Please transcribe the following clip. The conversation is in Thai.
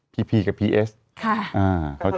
พีพีกับพีเอช